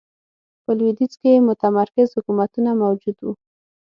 په لوېدیځ کې متمرکز حکومتونه موجود و.